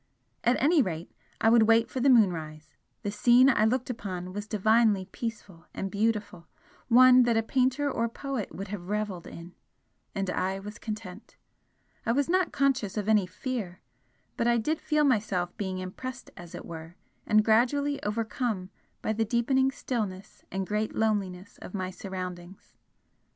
At any rate, I would wait for the moonrise, the scene I looked upon was divinely peaceful and beautiful, one that a painter or poet would have revelled in and I was content. I was not conscious of any fear, but I did feel myself being impressed as it were and gradually overcome by the deepening stillness and great loneliness of my surroundings.